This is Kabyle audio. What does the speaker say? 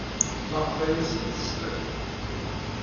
Maɣef ay asen-teslam?